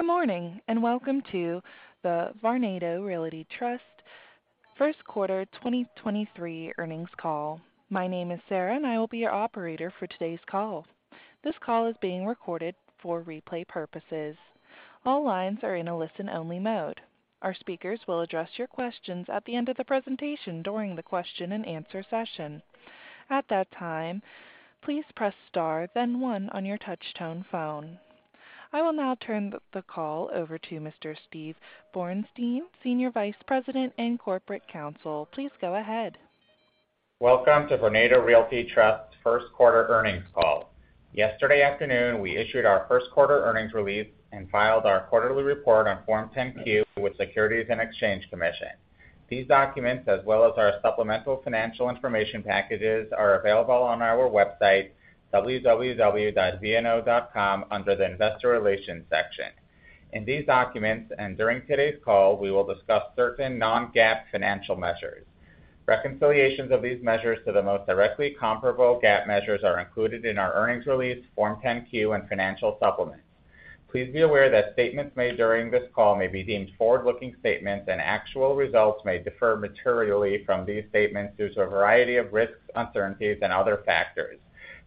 Good morning. Welcome to the Vornado Realty Trust first quarter 2023 earnings call. My name is Sarah. I will be your operator for today's call. This call is being recorded for replay purposes. All lines are in a listen-only mode. Our speakers will address your questions at the end of the presentation during the question-and-answer session. At that time, please press star then one on your touch tone phone. I will now turn the call over to Mr. Steve Borenstein, Senior Vice President and Corporate Counsel. Please go ahead. Welcome to Vornado Realty Trust first quarter earnings call. Yesterday afternoon, we issued our first quarter earnings release and filed our quarterly report on Form 10-Q with Securities and Exchange Commission. These documents, as well as our supplemental financial information packages, are available on our website www.vno.com under the Investor Relations section. In these documents, and during today's call, we will discuss certain Non-GAAP financial measures. Reconciliations of these measures to the most directly comparable GAAP measures are included in our earnings release, Form 10-Q and financial supplements. Please be aware that statements made during this call may be deemed forward-looking statements, and actual results may differ materially from these statements due to a variety of risks, uncertainties, and other factors.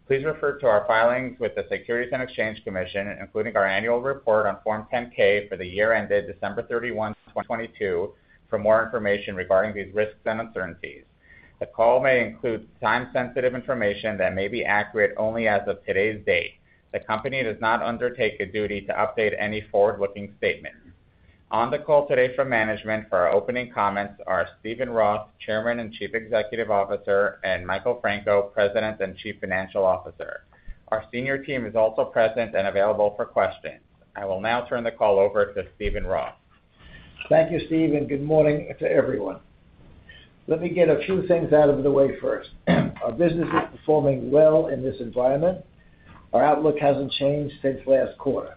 Please refer to our filings with the Securities and Exchange Commission, including our annual report on Form 10-K for the year ended December 31st, 2022 for more information regarding these risks and uncertainties. The call may include time-sensitive information that may be accurate only as of today's date. The company does not undertake a duty to update any forward-looking statement. On the call today from management for our opening comments are Steven Roth, Chairman and Chief Executive Officer, and Michael Franco, President and Chief Financial Officer. Our senior team is also present and available for questions. I will now turn the call over to Steven Roth. Thank you, Steve. Good morning to everyone. Let me get a few things out of the way first. Our business is performing well in this environment. Our outlook hasn't changed since last quarter.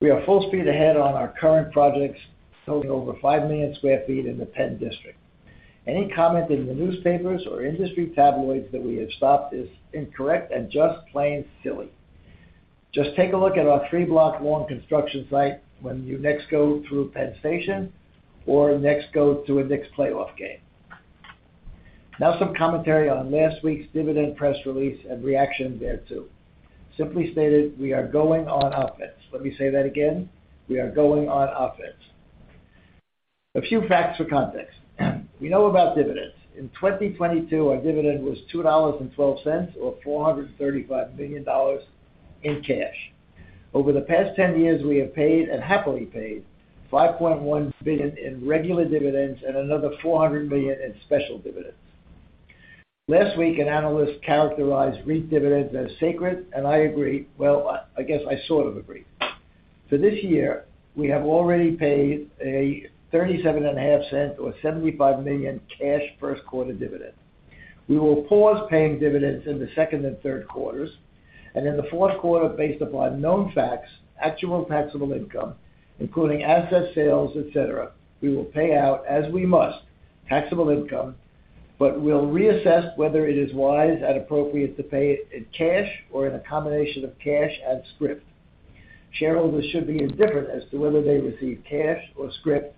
We are full speed ahead on our current projects, totaling over 5 million sq ft in the PENN DISTRICT. Any comment in the newspapers or industry tabloids that we have stopped is incorrect and just plain silly. Just take a look at our three-block long construction site when you next go through Penn Station or next go to a Knicks playoff game. Some commentary on last week's dividend press release and reaction thereto. Simply stated, we are going on offense. Let me say that again. We are going on offense. A few facts for context. We know about dividends. In 2022, our dividend was $2.12 or $435 million in cash. Over the past 10 years, we have paid and happily paid $5.1 billion in regular dividends and another $400 million in special dividends. Last week, an analyst characterized REIT dividends as sacred, and I agree. Well, I guess I sort of agree. For this year, we have already paid a thirty-seven and a half cent or $75 million cash first quarter dividend. We will pause paying dividends in the second and third quarters, and in the fourth quarter, based upon known facts, actual taxable income, including asset sales, et cetera. We will pay out, as we must, taxable income, but we'll reassess whether it is wise and appropriate to pay it in cash or in a combination of cash and scrip. Shareholders should be indifferent as to whether they receive cash or scrip.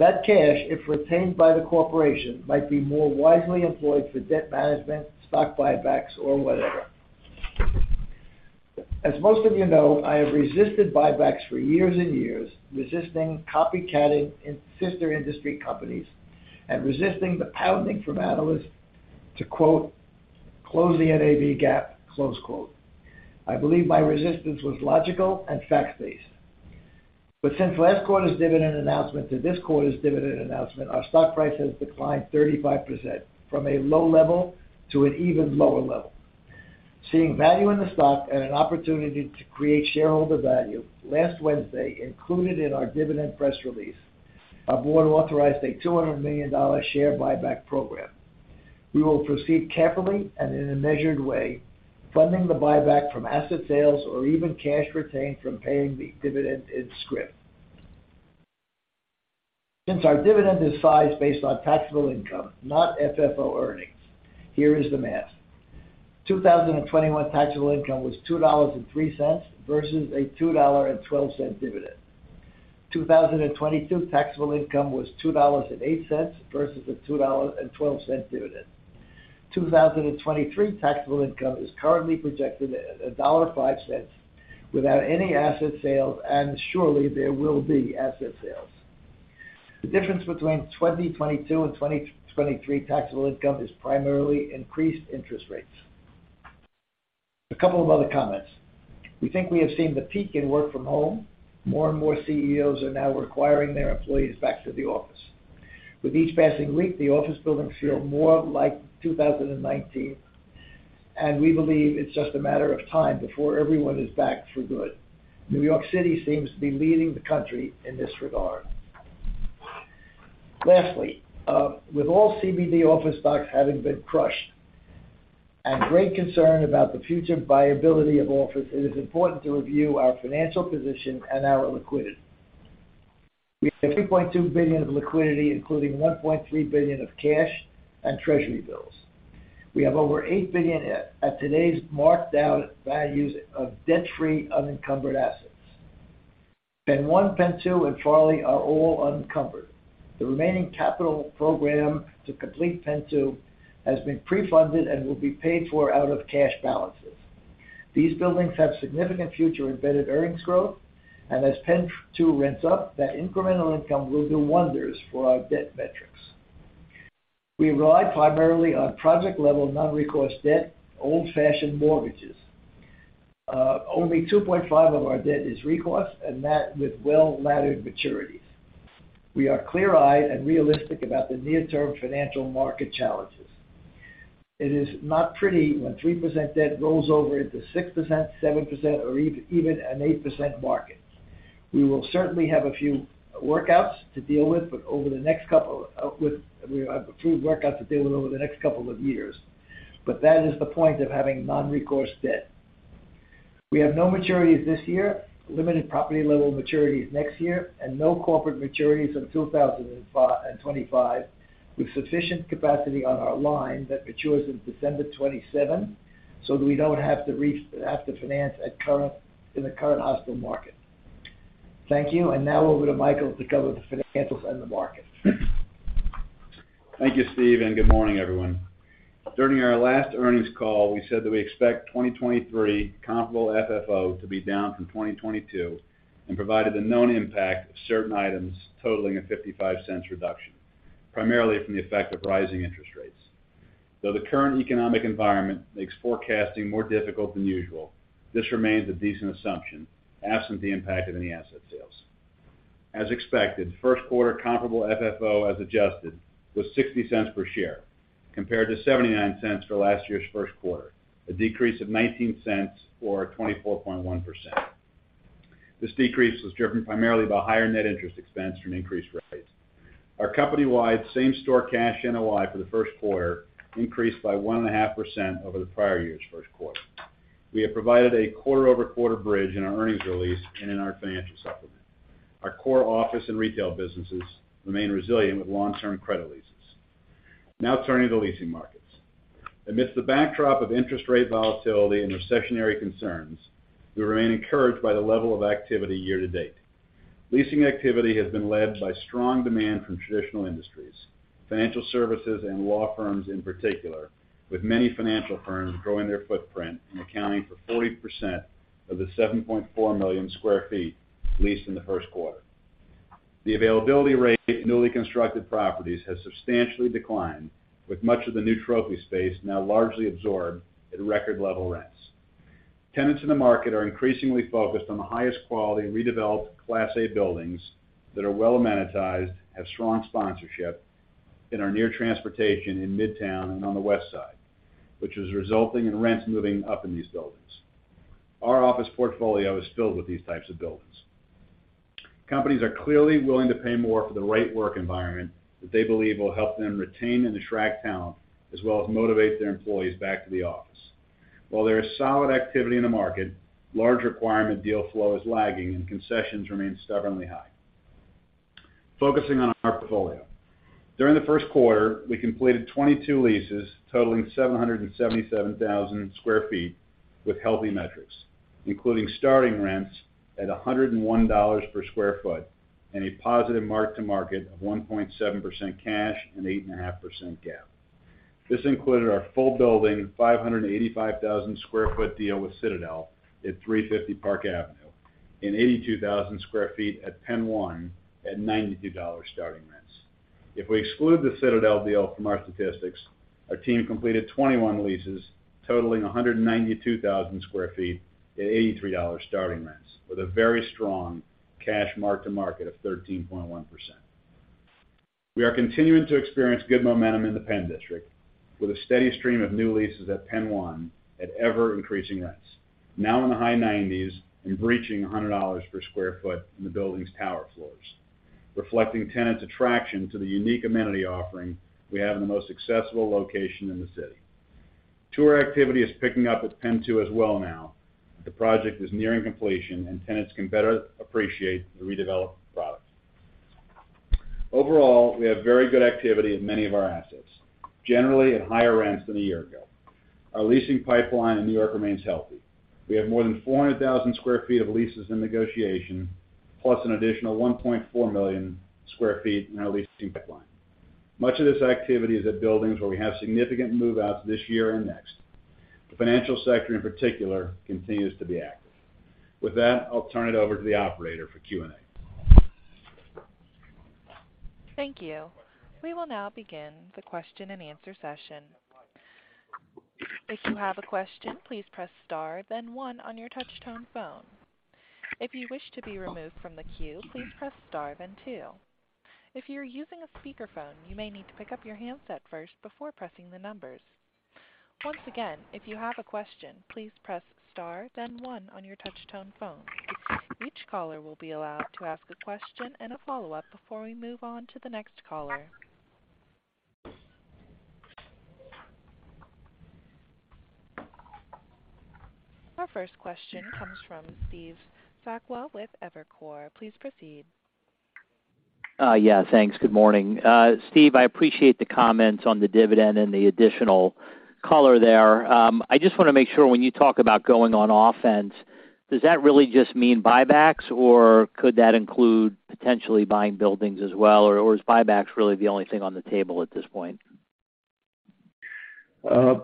That cash, if retained by the corporation, might be more wisely employed for debt management, stock buybacks, or whatever. As most of you know, I have resisted buybacks for years and years, resisting copycatting in sister industry companies and resisting the pounding from analysts to quote, close the NAV gap, close quote. I believe my resistance was logical and fact-based. Since last quarter's dividend announcement to this quarter's dividend announcement, our stock price has declined 35% from a low level to an even lower level. Seeing value in the stock and an opportunity to create shareholder value, last Wednesday, included in our dividend press release, our board authorized a $200 million share buyback program. We will proceed carefully and in a measured way, funding the buyback from asset sales or even cash retained from paying the dividend in scrip. Since our dividend is sized based on taxable income, not FFO earnings, here is the math. 2021 taxable income was $2.03 versus a $2.12 dividend. 2022 taxable income was $2.08 versus a $2.12 dividend. 2023 taxable income is currently projected at $1.05 without any asset sales, and surely there will be asset sales. The difference between 2022 and 2023 taxable income is primarily increased interest rates. A couple of other comments. We think we have seen the peak in work from home. More and more CEOs are now requiring their employees back to the office. With each passing week, the office buildings feel more like 2019. We believe it's just a matter of time before everyone is back for good. New York City seems to be leading the country in this regard. Lastly, with all CBD office stocks having been crushed and great concern about the future viability of office, it is important to review our financial position and our liquidity. We have $3.2 billion of liquidity, including $1.3 billion of cash and treasury bills. We have over $8 billion at today's marked down values of debt-free unencumbered assets. PENN 1, PENN 2, and Farley are all unencumbered. The remaining capital program to complete PENN 2 has been pre-funded and will be paid for out of cash balances. These buildings have significant future embedded earnings growth, and asPENN 2 rents up, that incremental income will do wonders for our debt metrics. We rely primarily on project-level non-recourse debt, old-fashioned mortgages. Only 2.5 of our debt is recourse, and that with well-laddered maturities. We are clear-eyed and realistic about the near-term financial market challenges. It is not pretty when 3% debt rolls over into 6%, 7%, or even an 8% market. We will certainly have a few workouts to deal with, but we have a few workouts to deal with over the next couple of years. That is the point of having non-recourse debt. We have no maturities this year, limited property level maturities next year, and no corporate maturities until 2025, with sufficient capacity on our line that matures in December 27th, so that we don't have to finance in the current hostile market. Thank you. Now over to Michael to cover the financials and the market. Thank you, Steve. Good morning, everyone. During our last earnings call, we said that we expect 2023 comparable FFO to be down from 2022 and provided the known impact of certain items totaling a $0.55 reduction, primarily from the effect of rising interest rates. Though the current economic environment makes forecasting more difficult than usual, this remains a decent assumption, absent the impact of any asset sales. As expected, first quarter comparable FFO, as adjusted, was $0.60 per share, compared to $0.79 for last year's first quarter, a decrease of $0.19 or 24.1%. This decrease was driven primarily by higher net interest expense from increased rates. Our company-wide same-store cash NOI for the first quarter increased by 1.5% over the prior year's first quarter. We have provided a quarter-over-quarter bridge in our earnings release and in our financial supplement. Our core office and retail businesses remain resilient with long-term credit leases. Turning to leasing markets. Amidst the backdrop of interest rate volatility and recessionary concerns, we remain encouraged by the level of activity year to date. Leasing activity has been led by strong demand from traditional industries, financial services and law firms in particular, with many financial firms growing their footprint and accounting for 40% of the 7.4 million sq ft leased in the first quarter. The availability rate of newly constructed properties has substantially declined, with much of the new trophy space now largely absorbed at record level rents. Tenants in the market are increasingly focused on the highest quality, redeveloped Class A buildings that are well amenitized, have strong sponsorship, and are near transportation in Midtown and on the West Side, which is resulting in rents moving up in these buildings. Our office portfolio is filled with these types of buildings. Companies are clearly willing to pay more for the right work environment that they believe will help them retain and attract talent, as well as motivate their employees back to the office. While there is solid activity in the market, large requirement deal flow is lagging and concessions remain stubbornly high. Focusing on our portfolio. During the first quarter, we completed 22 leases totaling 777,000 sq ft with healthy metrics, including starting rents at $101 per sq ft and a positive mark-to-market of 1.7% cash and 8.5% GAAP. This included our full building, 585,000 sq ft deal with Citadel at 350 Park Avenue and 82,000 sq ft at PENN 1 at $92 starting rents. If we exclude the Citadel deal from our statistics, our team completed 21 leases totaling 192,000 sq ft at $83 starting rents with a very strong cash mark-to-market of 13.1%. We are continuing to experience good momentum in the PENN DISTRICT with a steady stream of new leases at PENN 1 at ever-increasing rents, now in the high nineties and breaching $100 per square foot in the building's tower floors, reflecting tenants' attraction to the unique amenity offering we have in the most accessible location in the city. Tour activity is picking up at PENN 2 as well now. The project is nearing completion, and tenants can better appreciate the redeveloped product. Overall, we have very good activity in many of our assets, generally at higher rents than a year ago. Our leasing pipeline in New York remains healthy. We have more than 400,000 square feet of leases in negotiation, plus an additional 1.4 million square feet in our leasing pipeline. Much of this activity is at buildings where we have significant move-outs this year and next. The financial sector, in particular, continues to be active. With that, I'll turn it over to the operator for Q&A. Thank you. We will now begin the question-and-answer session. If you have a question, please press star then one on your touch-tone phone. If you wish to be removed from the queue, please press star then two. If you're using a speakerphone, you may need to pick up your handset first before pressing the numbers. Once again, if you have a question, please press star then one on your touch-tone phone. Each caller will be allowed to ask a question and a follow-up before we move on to the next caller. Our first question comes from Steve Sakwa with Evercore. Please proceed. Yeah, thanks. Good morning. Steve, I appreciate the comments on the dividend and the additional color there. I just wanna make sure when you talk about going on offense, does that really just mean buybacks, or could that include potentially buying buildings as well, or is buybacks really the only thing on the table at this point? The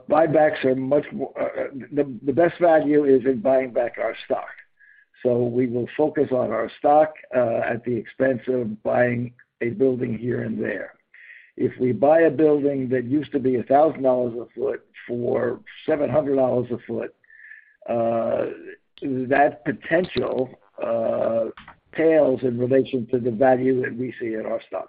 best value is in buying back our stock. We will focus on our stock, at the expense of buying a building here and there. If we buy a building that used to be $1,000 a foot for $700 a foot, that potential pales in relation to the value that we see in our stock.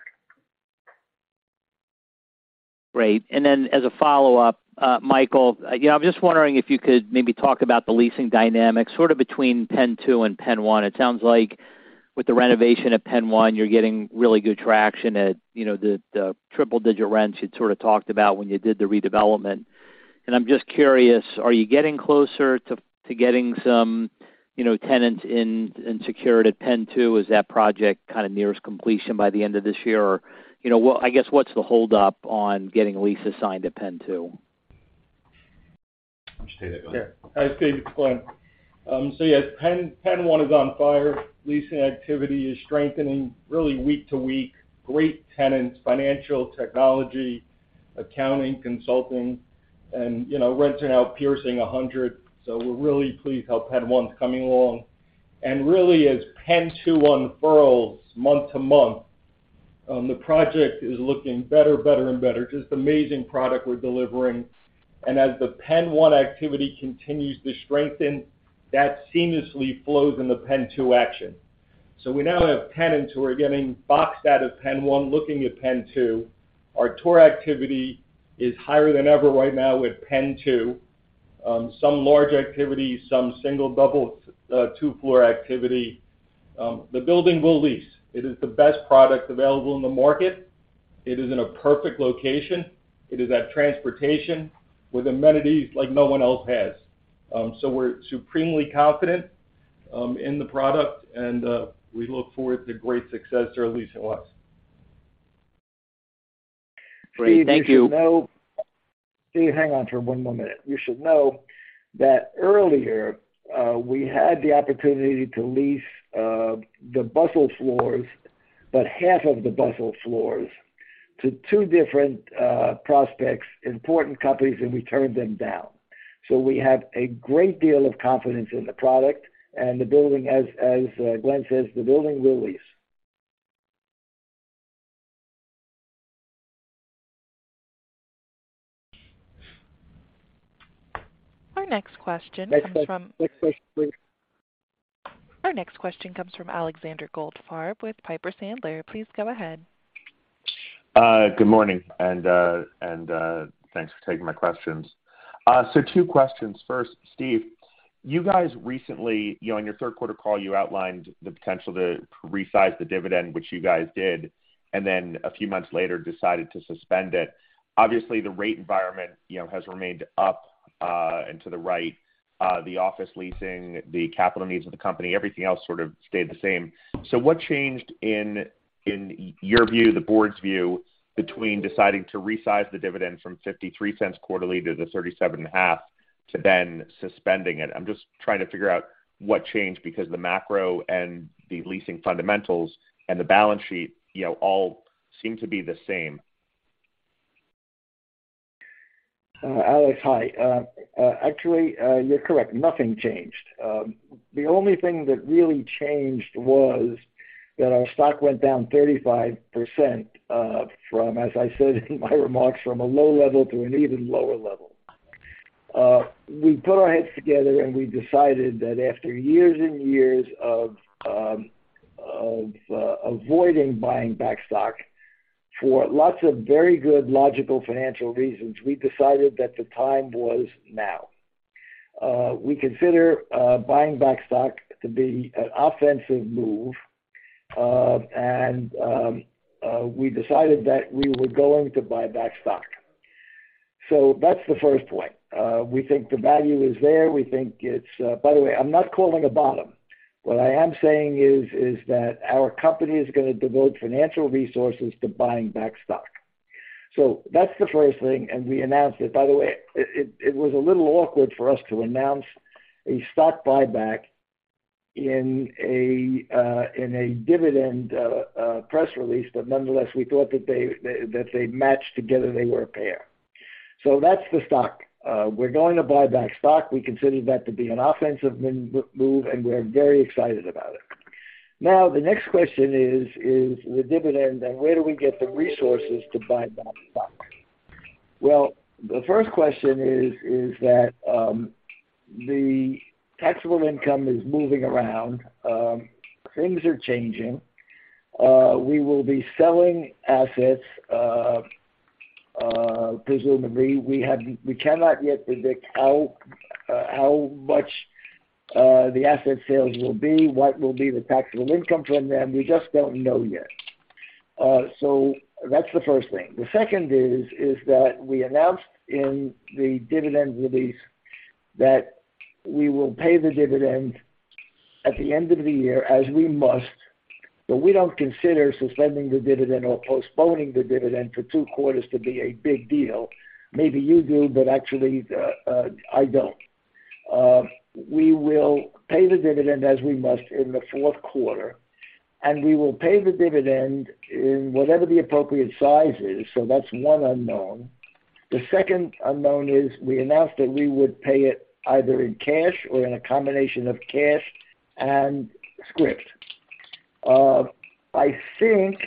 Great. As a follow-up, Michael, you know, I'm just wondering if you could maybe talk about the leasing dynamics sort of between PENN 2 and PENN 1. It sounds like with the renovation at PENN 1, you're getting really good traction at, you know, the triple-digit rents you'd sort of talked about when you did the redevelopment. I'm just curious, are you getting closer to getting some, you know, tenants secured atPENN 2? Is that project kinda nearest completion by the end of this year? You know, what's the hold up on getting leases signed at PENN 2? I'll just take that, Glen. Yeah. Steve, it's Glen. Yes, PENN 1 is on fire. Leasing activity is strengthening really week to week. Great tenants, financial technology, accounting, consulting, and, you know, rents are now piercing $100, we're really pleased how PENN 1's coming along. Really, as PENN 2 unfurls month to month, the project is looking better and better. Just amazing product we're delivering. As the PENN 1 activity continues to strengthen, that seamlessly flows in the PENN 2 action. We now have tenants who are getting boxed out of PENN 1 looking at PENN 2. Our tour activity is higher than ever right now with PENN 2. Some large activities, some single, double, two-floor activity. The building will lease. It is the best product available in the market. It is in a perfect location. It is at transportation with amenities like no one else has. We're supremely confident in the product, and we look forward to great success there leasing-wise. Great. Thank you. Steve, you should know. Steve, hang on for 1 more minute. You should know that earlier, we had the opportunity to lease, the bustle floors, but half of the bustle floors to 2 different prospects, important companies, and we turned them down. We have a great deal of confidence in the product and the building. As Glen says, the building will lease. Our next question comes from. Next question, please. Our next question comes from Alexander Goldfarb with Piper Sandler. Please go ahead. Good morning, and thanks for taking my questions. Two questions. First, Steve, you guys recently, you know, on your third quarter call, you outlined the potential to resize the dividend, which you guys did, and then a few months later, decided to suspend it. Obviously, the rate environment, you know, has remained up, and to the right, the office leasing, the capital needs of the company, everything else sort of stayed the same. What changed in your view, the board's view, between deciding to resize the dividend from $0.53 quarterly to the $0.375, to then suspending it? I'm just trying to figure out what changed because the macro and the leasing fundamentals and the balance sheet, you know, all seem to be the same. Alex, hi. Actually, you're correct. Nothing changed. The only thing that really changed was that our stock went down 35%, from, as I said in my remarks, from a low level to an even lower level. We put our heads together, we decided that after years and years of avoiding buying back stock for lots of very good logical financial reasons, we decided that the time was now. We consider buying back stock to be an offensive move. We decided that we were going to buy back stock. That's the first point. We think the value is there. By the way, I'm not calling a bottom. What I am saying is that our company is gonna devote financial resources to buying back stock. That's the first thing, and we announced it. By the way, it was a little awkward for us to announce a stock buyback in a in a dividend press release. Nonetheless, we thought that they that they matched together, they were a pair. That's the stock. We're going to buy back stock. We consider that to be an offensive move, and we're very excited about it. The next question is the dividend, and where do we get the resources to buy back stock? The first question is that the taxable income is moving around. Things are changing. We will be selling assets presumably. We cannot yet predict how much the asset sales will be, what will be the taxable income from them. We just don't know yet. That's the first thing. The second is that we announced in the dividend release that we will pay the dividend at the end of the year as we must, we don't consider suspending the dividend or postponing the dividend for 2 quarters to be a big deal. Maybe you do, but actually, I don't. We will pay the dividend as we must in the fourth quarter, we will pay the dividend in whatever the appropriate size is, so that's 1 unknown. The second unknown is we announced that we would pay it either in cash or in a combination of cash and scrip. I think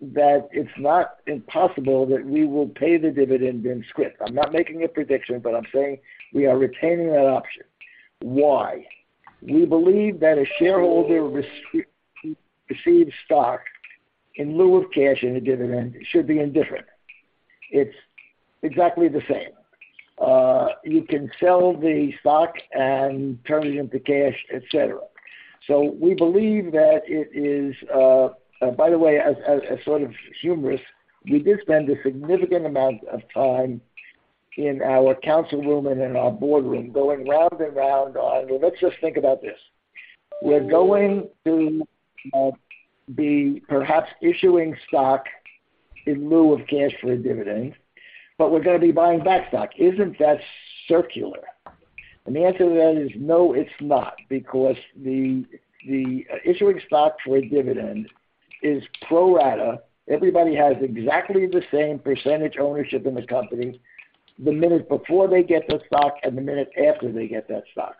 that it's not impossible that we will pay the dividend in scrip. I'm not making a prediction, but I'm saying we are retaining that option. Why? We believe that a shareholder receives stock in lieu of cash in a dividend should be indifferent. It's exactly the same. You can sell the stock and turn it into cash, et cetera. We believe that it is. By the way, as sort of humorous, we did spend a significant amount of time in our council room and in our boardroom going round and round on, well, let's just think about this. We're going to be perhaps issuing stock in lieu of cash for a dividend, but we're gonna be buying back stock. Isn't that circular? The answer to that is no, it's not, because the issuing stock for a dividend is pro rata. Everybody has exactly the same percentage ownership in the company the minute before they get the stock and the minute after they get that stock.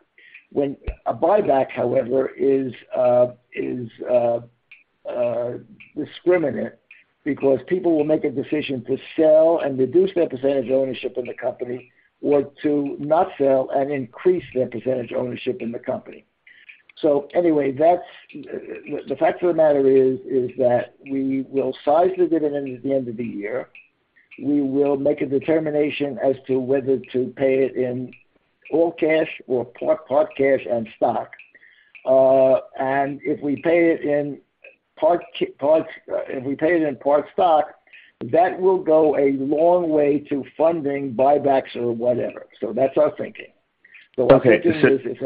A buyback, however, is discriminate because people will make a decision to sell and reduce their percentage ownership in the company or to not sell and increase their percentage ownership in the company. Anyway, the fact of the matter is that we will size the dividend at the end of the year. We will make a determination as to whether to pay it in all cash or part cash and stock. If we pay it in part stock, that will go a long way to funding buybacks or whatever. That's our thinking. Okay. What we're doing is,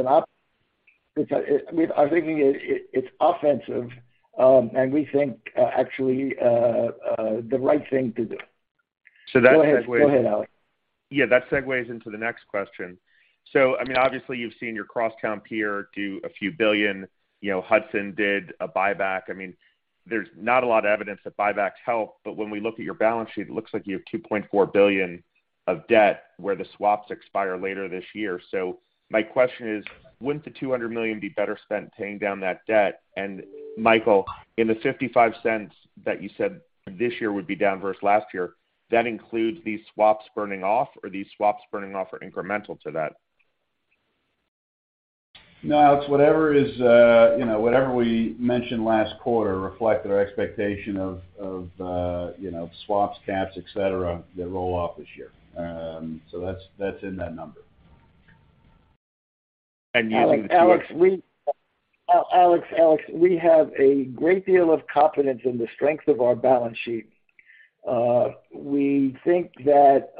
it's, I mean, our thinking is it's offensive, and we think actually the right thing to do. that segues-. Go ahead. Go ahead, Alex. That segues into the next question. I mean, obviously, you've seen your crosstown peer do a few billion. You know, Hudson did a buyback. I mean, there's not a lot of evidence that buybacks help, but when we look at your balance sheet, it looks like you have $2.4 billion of debt where the swaps expire later this year. My question is, wouldn't the $200 million be better spent paying down that debt? Michael, in the $0.55 that you said this year would be down versus last year, that includes these swaps burning off, or these swaps burning off are incremental to that? No, it's whatever is, you know, whatever we mentioned last quarter reflected our expectation of, you know, swaps, caps, et cetera, that roll off this year. That's in that number. you- Alex, we have a great deal of confidence in the strength of our balance sheet. We think that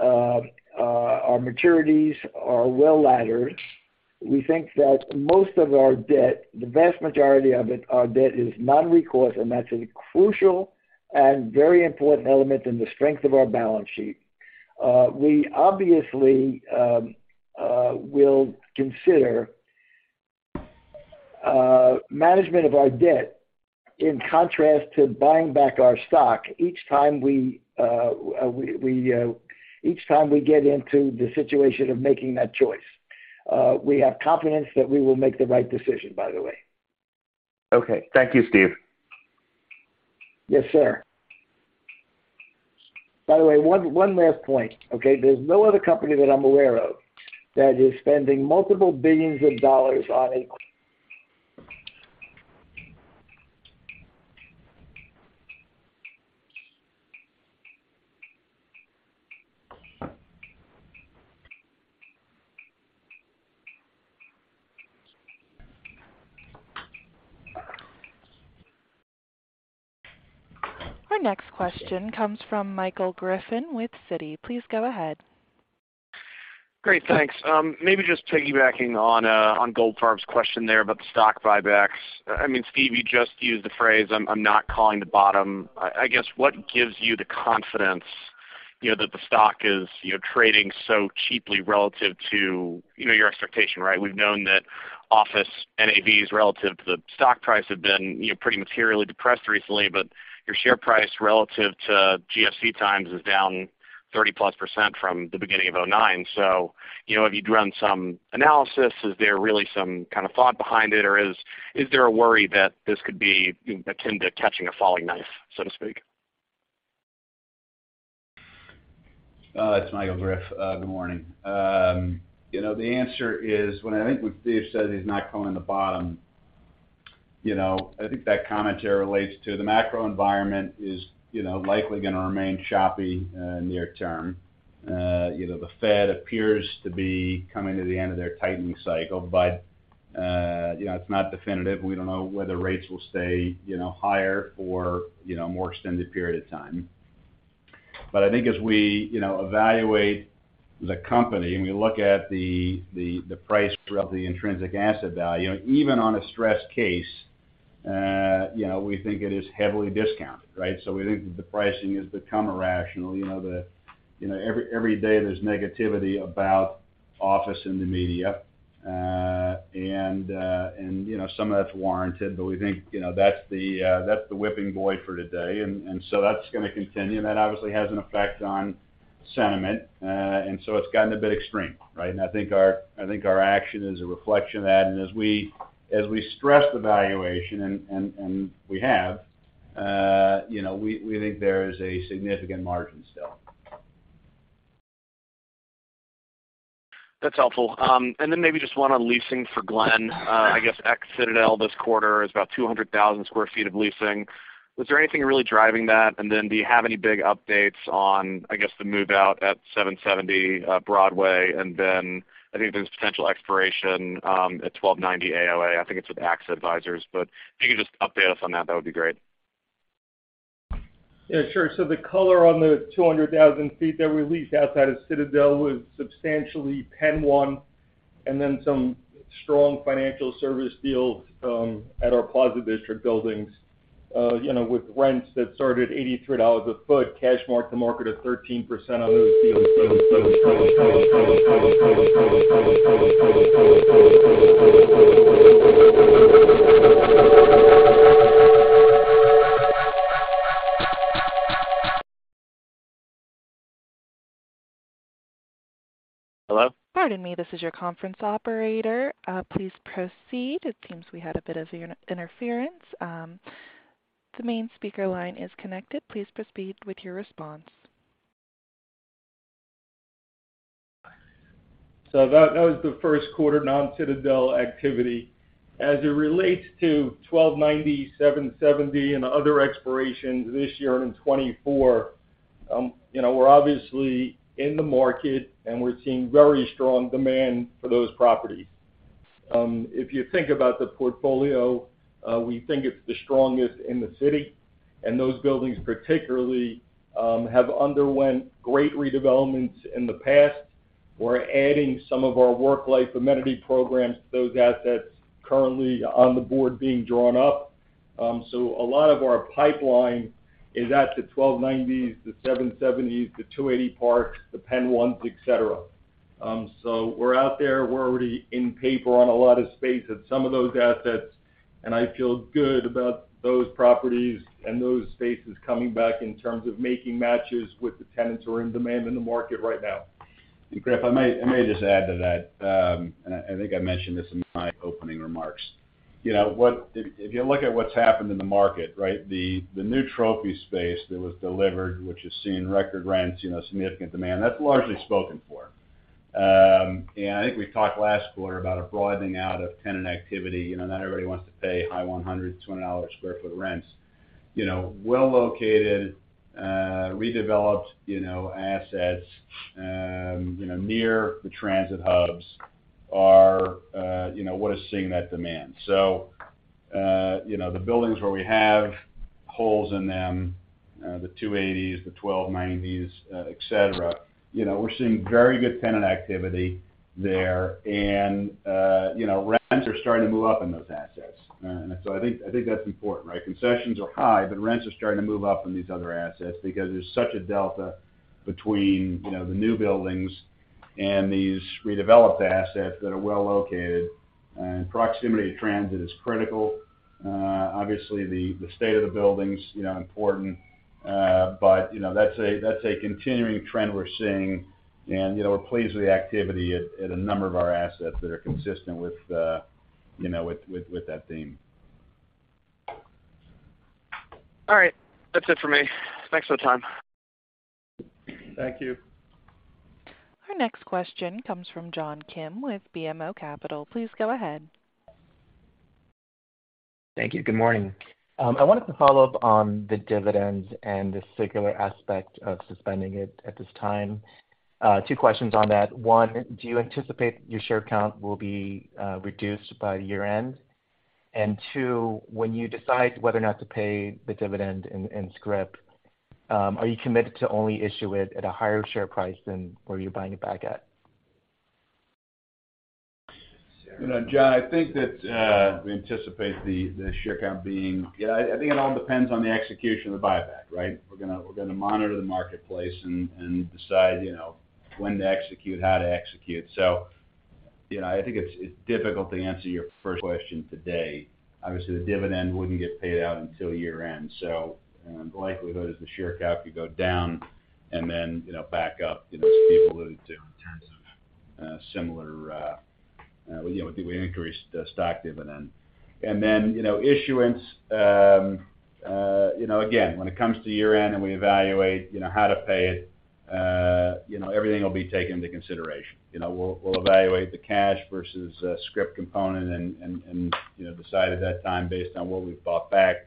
our maturities are well laddered. We think that most of our debt, the vast majority of it, our debt is non-recourse, and that's a crucial and very important element in the strength of our balance sheet. We obviously will consider management of our debt in contrast to buying back our stock each time we get into the situation of making that choice. We have confidence that we will make the right decision, by the way. Okay. Thank you, Steve. Yes, sir. By the way, one last point, okay? There's no other company that I'm aware of that is spending $multiple billions on. Our next question comes from Michael Griffin with Citi. Please go ahead. Great, thanks. maybe just piggybacking on Goldfarb's question there about the stock buybacks. I mean, Steve, you just used the phrase, "I'm not calling the bottom." I guess, what gives you the confidence, you know, that the stock is, you know, trading so cheaply relative to, you know, your expectation, right? We've known that office NAVs relative to the stock price have been, you know, pretty materially depressed recently, but your share price relative to GFC times is down 30%+ from the beginning of 2009. you know, have you done some analysis? Is there really some kind of thought behind it, or is there a worry that this could be akin to catching a falling knife, so to speak? It's Michael Griffin. Good morning. You know, the answer is, when I think when Steve says he's not calling the bottom, you know, I think that commentary relates to the macro environment is, you know, likely gonna remain choppy, near term. You know, the Fed appears to be coming to the end of their tightening cycle, you know, it's not definitive. We don't know whether rates will stay, you know, higher for, you know, a more extended period of time. I think as we, you know, evaluate the company and we look at the, the price throughout the intrinsic asset value, even on a stress case, you know, we think it is heavily discounted, right? We think that the pricing has become irrational. You know, every day there's negativity about office in the media, and, you know, some of that's warranted, but we think, you know, that's the whipping boy for today. So that's gonna continue, and that obviously has an effect on sentiment. So it's gotten a bit extreme, right? I think our action is a reflection of that. As we stress the valuation and we have, you know, we think there is a significant margin still. That's helpful. Maybe just one on leasing for Glen. I guess ex-Citadel this quarter is about 200,000 sq ft of leasing. Was there anything really driving that? Do you have any big updates on, I guess, the move-out at 770 Broadway? I think there's potential expiration at 1290 AOA. I think it's with AXA Equitable. If you could just update us on that would be great. Yeah, sure. The color on the 200,000 feet that we leased outside of Citadel was substantially Pen One and then some strong financial service deals at our Plaza District buildings, you know, with rents that started $83 a foot, cash mark-to-market at 13% on those deals. Hello? Pardon me. This is your conference operator. Please proceed. It seems we had a bit of interference. The main speaker line is connected. Please proceed with your response. That was the first quarter non-Citadel activity. As it relates to 1290, 770, and other expirations this year and in 2024, you know, we're obviously in the market, and we're seeing very strong demand for those properties. If you think about the portfolio, we think it's the strongest in the city, and those buildings particularly, have underwent great redevelopments in the past. We're adding some of our work-life amenity programs to those assets currently on the board being drawn up. A lot of our pipeline is at the 1290s, the 770s, the 280 Park Avenue, the Pen Ones, et cetera. We're out there. We're already in paper on a lot of space at some of those assets, and I feel good about those properties and those spaces coming back in terms of making matches with the tenants who are in demand in the market right now. Greg, I may just add to that. I think I mentioned this in my opening remarks. You know, if you look at what's happened in the market, right? The new trophy space that was delivered, which has seen record rents, you know, significant demand, that's largely spoken for. I think we talked last quarter about a broadening out of tenant activity. You know, not everybody wants to pay high $100-$120 square foot rents. You know, well-located, redeveloped, you know, assets, you know, near the transit hubs are, you know, what is seeing that demand. You know, the buildings where we have holes in them, the 280s, the 1290s, et cetera, you know, we're seeing very good tenant activity there. You know, rents are starting to move up in those assets. I think that's important, right? Concessions are high, but rents are starting to move up in these other assets because there's such a delta between, you know, the new buildings and these redeveloped assets that are well-located. Proximity to transit is critical. Obviously, the state of the building's, you know, important. You know, that's a, that's a continuing trend we're seeing. You know, we're pleased with the activity at a number of our assets that are consistent with, you know, with that theme. All right. That's it for me. Thanks for the time. Thank you. Our next question comes from John Kim with BMO Capital. Please go ahead. Thank you. Good morning. I wanted to follow up on the dividends and the singular aspect of suspending it at this time. Two questions on that. 1, do you anticipate your share count will be reduced by year-end? Two, when you decide whether or not to pay the dividend in script, are you committed to only issue it at a higher share price than where you're buying it back at? You know, John, I think that we anticipate the share count being. Yeah, I think it all depends on the execution of the buyback, right? We're gonna monitor the marketplace and decide, you know, when to execute, how to execute. You know, I think it's difficult to answer your first question today. Obviously, the dividend wouldn't get paid out until year-end. The likelihood is the share count could go down and then, you know, back up, you know, as Steve alluded to in terms of similar, you know, we increased the stock dividend. Then, you know, issuance, you know, again, when it comes to year-end and we evaluate, you know, how to pay it, you know, everything will be taken into consideration. You know, we'll evaluate the cash versus scrip component and, you know, decide at that time based on what we've bought back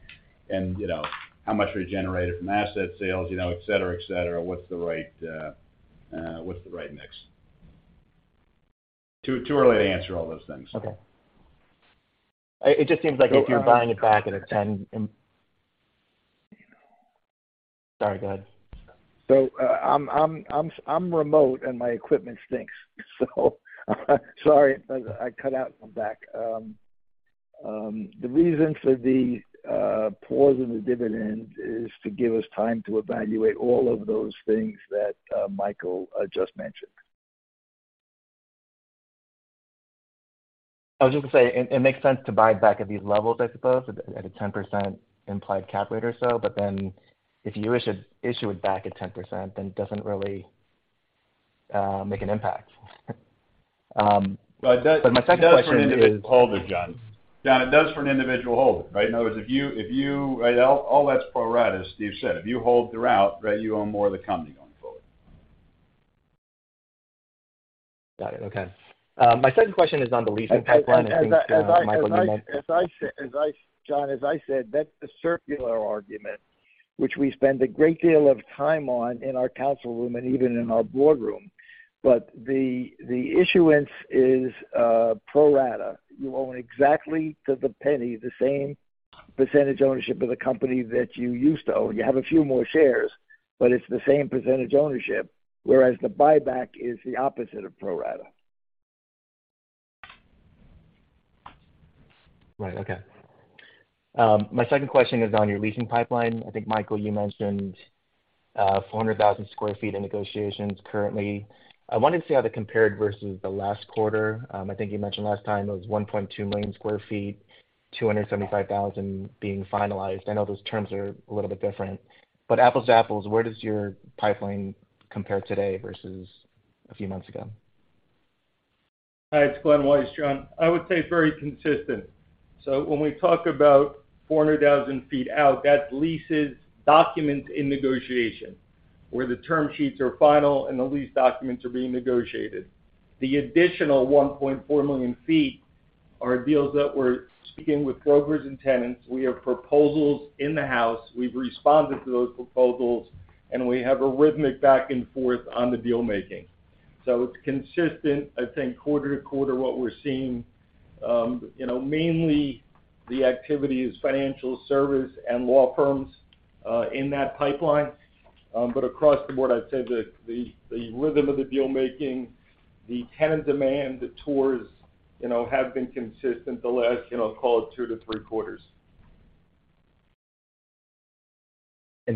and, you know, how much we generated from asset sales, you know, et cetera, et cetera, what's the right mix? Too early to answer all those things. Okay. It just seems like if you're buying it back at a 10. Sorry, go ahead. I'm remote, and my equipment stinks. Sorry if I cut out and come back. The reason for the pause in the dividend is to give us time to evaluate all of those things that Michael just mentioned. I was just gonna say, it makes sense to buy back at these levels, I suppose, at a 10% implied cap rate or so. If you issue it back at 10%, then it doesn't really make an impact. My second question is. It does for an individual holder, John, it does for an individual holder, right? In other words, if you. Right? All that's pro rata, as Steve said. If you hold throughout, right, you own more of the company going forward. Got it. Okay. My second question is on the leasing pipeline. I think Michael. As I said, John, that's a circular argument which we spend a great deal of time on in our council room and even in our boardroom. The issuance is pro rata. You own exactly to the penny the same percentage ownership of the company that you used to own. You have a few more shares, but it's the same percentage ownership, whereas the buyback is the opposite of pro rata. Right. Okay. My second question is on your leasing pipeline. I think, Michael, you mentioned 400,000 sq ft in negotiations currently. I wanted to see how that compared versus the last quarter. I think you mentioned last time it was 1.2 million sq ft, 275,000 being finalized. I know those terms are a little bit different, but apples to apples, where does your pipeline compare today versus a few months ago? Hi, it's Glen Weiss, John. I would say it's very consistent. When we talk about 400,000 feet out, that's leases, documents in negotiation, where the term sheets are final and the lease documents are being negotiated. The additional 1.4 million feet are deals that we're speaking with brokers and tenants. We have proposals in the house. We've responded to those proposals, and we have a rhythmic back and forth on the deal-making. It's consistent, I think, quarter to quarter, what we're seeing. you know, mainly the activity is financial service and law firms in that pipeline. across the board, I'd say that the rhythm of the deal-making, the tenant demand, the tours, you know, have been consistent the last, you know, call it 2 quarters to 3 quarters.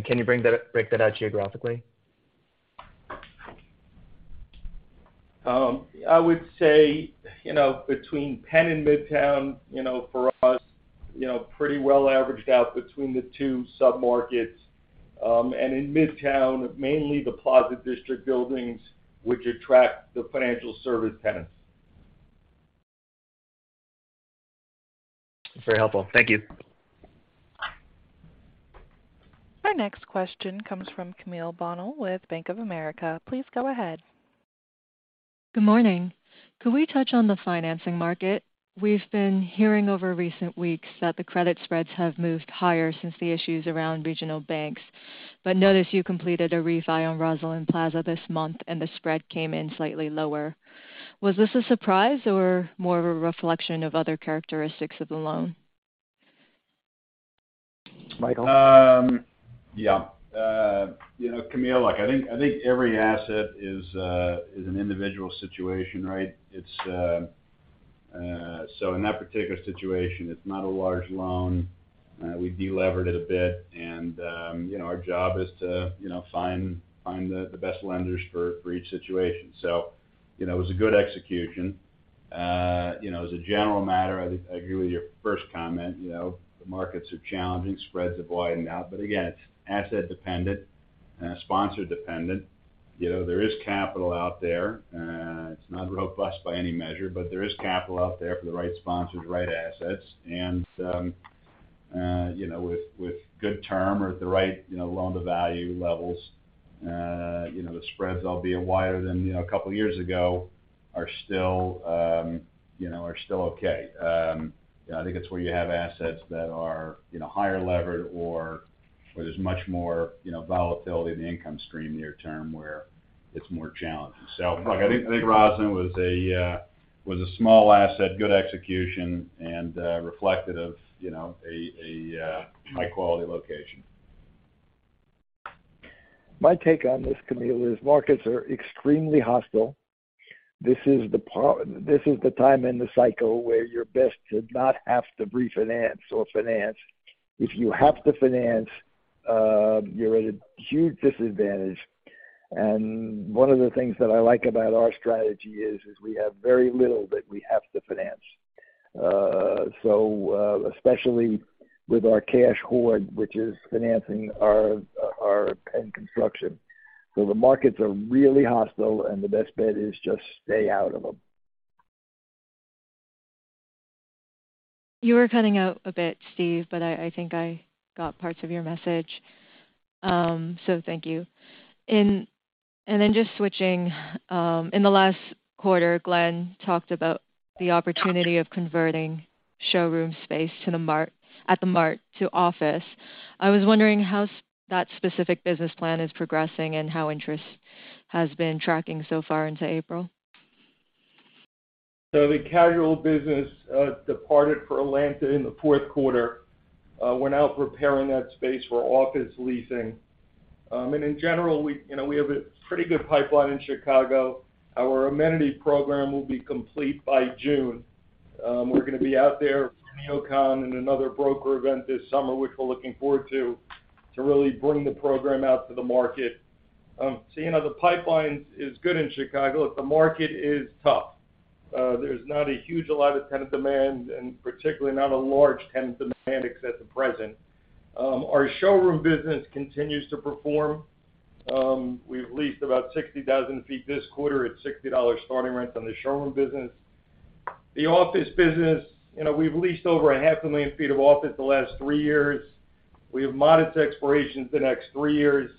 Can you break that out geographically? I would say, you know, between Penn and Midtown, you know, for us, you know, pretty well averaged out between the two sub-markets. In Midtown, mainly the Plaza District buildings, which attract the financial service tenants. Very helpful. Thank you. Our next question comes from Camille Bonnel with Bank of America. Please go ahead. Good morning. Could we touch on the financing market? We've been hearing over recent weeks that the credit spreads have moved higher since the issues around regional banks. Notice you completed a refi on Rego Center this month, and the spread came in slightly lower. Was this a surprise or more of a reflection of other characteristics of the loan? Michael? Yeah. You know, Camille, look, I think every asset is an individual situation, right? In that particular situation, it's not a large loan. We de-levered it a bit, and, you know, our job is to, you know, find the best lenders for each situation. You know, it was a good execution. You know, as a general matter, I agree with your first comment. You know, the markets are challenging, spreads have widened out, but again, it's asset dependent and sponsor dependent. You know, there is capital out there. It's not robust by any measure, but there is capital out there for the right sponsors, right assets. You know, with good term or at the right, you know, loan-to-value levels, you know, the spreads, albeit wider than, you know, a couple of years ago, are still, you know, are still okay. You know, I think it's where you have assets that are, you know, higher levered or where there's much more, you know, volatility in the income stream near term where it's more challenging. Look, I think, I think Roseland was a, was a small asset, good execution, and, reflective of, you know, a, high-quality location. My take on this, Camille, is markets are extremely hostile. This is the time in the cycle where you're best to not have to refinance or finance. If you have to finance, you're at a huge disadvantage. One of the things that I like about our strategy is, we have very little that we have to finance, especially with our cash hoard, which is financing our and construction. The markets are really hostile, and the best bet is just stay out of them. You were cutting out a bit, Steve, but I think I got parts of your message. Thank you. Just switching, in the last quarter, Glen talked about the opportunity of converting Showroom space atThe Mart to office. I was wondering how that specific business plan is progressing and how interest has been tracking so far into April. The casual business departed for Atlanta in the fourth quarter. We're now preparing that space for office leasing. In general, we, you know, we have a pretty good pipeline in Chicago. Our amenity program will be complete by June. We're gonna be out there for NEOCON and another broker event this summer, which we're looking forward to really bring the program out to the market. You know, the pipeline is good in Chicago. The market is tough. There's not a huge lot of tenant demand, and particularly not a large tenant demand except the present. Our showroom business continues to perform. We've leased about 60,000 feet this quarter at $60 starting rent on the showroom business. The office business, you know, we've leased over 500,000 feet of office the last three years. We have modest expirations the next three years.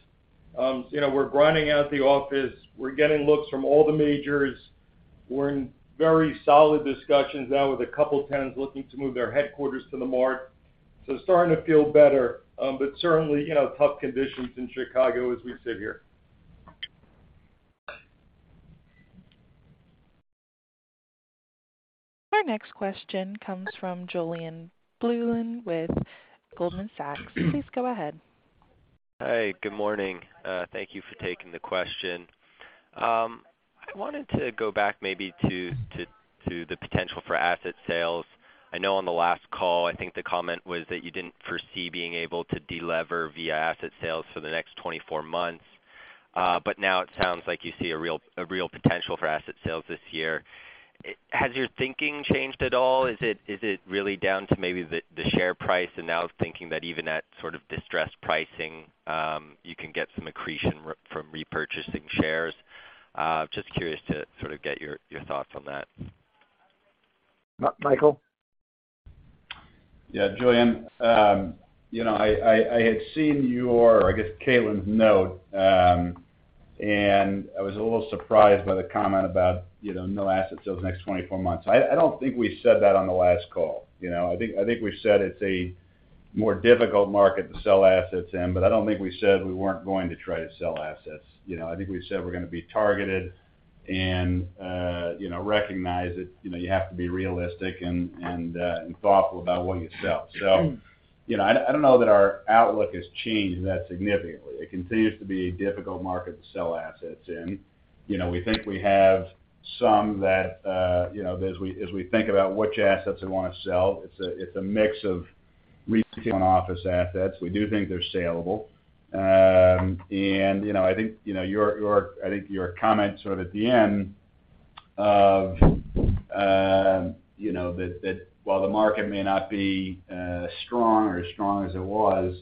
You know, we're grinding out the office. We're getting looks from all the majors. We're in very solid discussions now with a couple of tenants looking to move their headquarters to The Mart. Starting to feel better, certainly, you know, tough conditions in Chicago as we sit here. Our next question comes from Julien Blouin with Goldman Sachs. Please go ahead. Hi. Good morning. Thank you for taking the question. I wanted to go back maybe to the potential for asset sales. I know on the last call, I think the comment was that you didn't foresee being able to delever via asset sales for the next 24 months. Now it sounds like you see a real potential for asset sales this year. Has your thinking changed at all? Is it really down to maybe the share price and now thinking that even at sort of distressed pricing, you can get some accretion from repurchasing shares? Just curious to sort of get your thoughts on that. Michael? Yeah, Julien. You know, I had seen your, I guess, Caitlin's note. I was a little surprised by the comment about, you know, no assets over the next 24 months. I don't think we said that on the last call, you know. I think we said it's a more difficult market to sell assets in. I don't think we said we weren't going to try to sell assets. You know, I think we said we're gonna be targeted and, you know, recognize that, you know, you have to be realistic and thoughtful about what you sell. You know, I don't know that our outlook has changed that significantly. It continues to be a difficult market to sell assets in. You know, we think we have some that, you know, as we, as we think about which assets we wanna sell, it's a, it's a mix of retail and office assets. We do think they're salable. You know, I think, you know, your, I think your comment sort of at the end of, you know, that while the market may not be as strong as it was,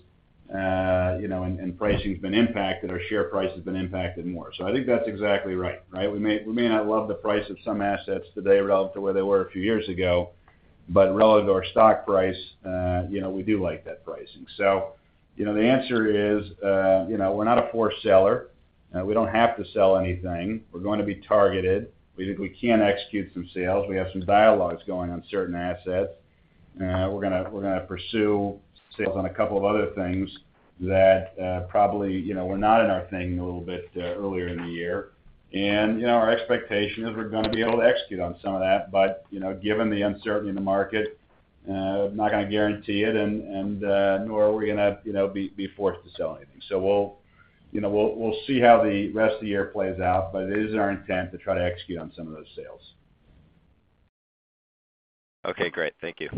you know, and, pricing's been impacted, our share price has been impacted more. I think that's exactly right? We may not love the price of some assets today relative to where they were a few years ago, but relative to our stock price, you know, we do like that pricing. You know, the answer is, you know, we're not a poor seller. We don't have to sell anything. We're gonna be targeted. We think we can execute some sales. We have some dialogues going on certain assets. We're gonna pursue sales on a couple of other things that, probably, you know, were not in our thing a little bit, earlier in the year. You know, our expectation is we're gonna be able to execute on some of that. You know, given the uncertainty in the market, I'm not gonna guarantee it and, nor are we gonna, you know, be forced to sell anything. We'll, you know, we'll see how the rest of the year plays out, but it is our intent to try to execute on some of those sales. Okay, great. Thank you.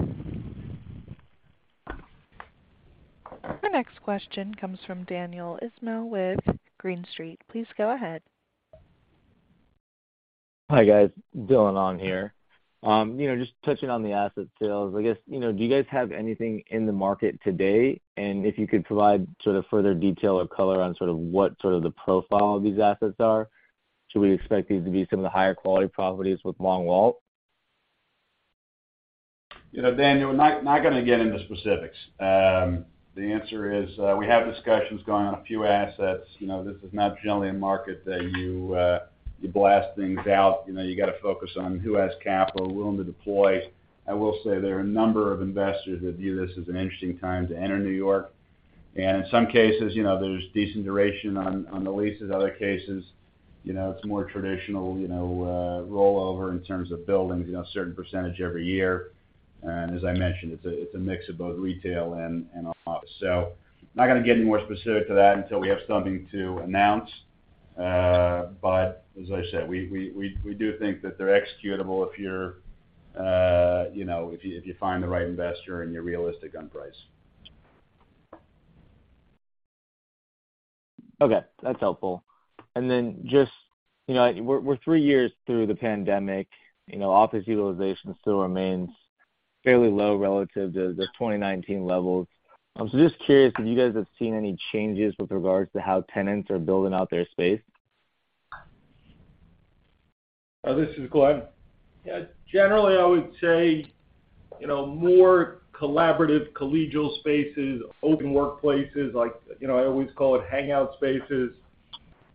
Our next question comes from Daniel Ismail with Green Street. Please go ahead. Hi, guys. Dylan on here. you know, just touching on the asset sales, I guess, you know, do you guys have anything in the market today? If you could provide sort of further detail or color on sort of what sort of the profile of these assets are. Should we expect these to be some of the higher quality properties with long wall? You know, Daniel, we're not gonna get into specifics. The answer is, we have discussions going on a few assets. You know, this is not generally a market that you blast things out. You know, you gotta focus on who has capital, willing to deploy. I will say there are a number of investors that view this as an interesting time to enter New York. In some cases, you know, there's decent duration on the leases. Other cases, you know, it's more traditional, you know, rollover in terms of buildings, you know, a certain percentage every year. As I mentioned, it's a mix of both retail and office. Not gonna get any more specific to that until we have something to announce. As I said, we do think that they're executable if you're, you know, if you, if you find the right investor and you're realistic on price. Okay, that's helpful. Then just, you know, we're three years through the pandemic. You know, office utilization still remains fairly low relative to the 2019 levels. Just curious if you guys have seen any changes with regards to how tenants are building out their space. This is Glen. Yeah. Generally, I would say, you know, more collaborative collegial spaces, open workplaces, like, you know, I always call it hangout spaces